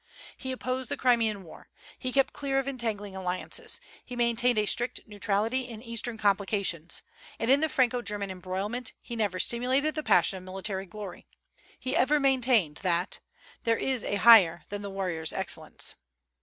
He opposed the Crimean war; he kept clear of entangling alliances; he maintained a strict neutrality in Eastern complications, and in the Franco German embroilment; he never stimulated the passion of military glory; he ever maintained that "There is a higher than the warrior's excellence."